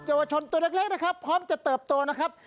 เยาวชนตัวเล็กนะครับพร้อมจะเติบโตนะครับ